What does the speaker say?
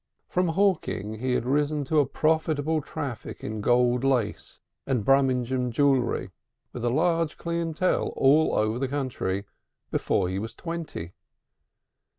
From hawking he had risen to a profitable traffic in gold lace and Brummagem jewelry, with a large clientèle all over the country, before he was twenty.